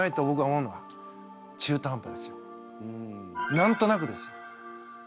なんとなくですよ。